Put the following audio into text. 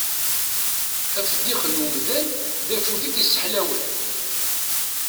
Ifeddix n umdan d akud i t-sseḥlawen.